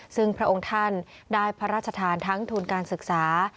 ซึ่งพระองค์ท่านได้พระราชทานทั้งทุนการศึกษา